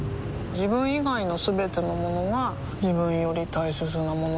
自分以外のすべてのものが自分より大切なものだと思いたい